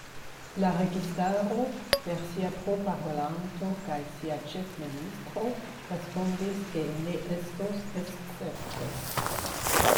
La registaro, per sia proparolanto kaj sia ĉefministro respondis ke ne estos escepto.